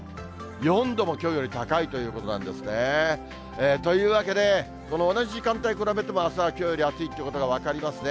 ４度もきょうより高いということなんですね。というわけで、この同じ時間帯比べても、あすはきょうより暑いってことが分かりますね。